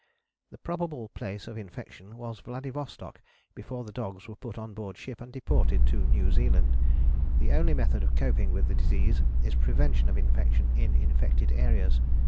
"The probable place of infection was Vladivostok before the dogs were put on board ship and deported to New Zealand. The only method of coping with the disease is prevention of infection in infected areas.